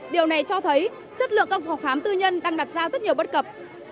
điều này cho thấy chất lượng các phòng khám tư nhân đang đặt ra rất nhiều bất cập